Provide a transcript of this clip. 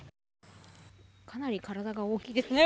かなり体が大きいですね。